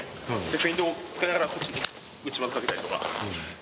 フェイントを使いながらこっちに内股かけたりとか。